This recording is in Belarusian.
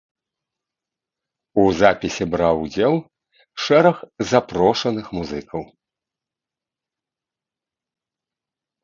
У запісе браў удзел шэраг запрошаных музыкаў.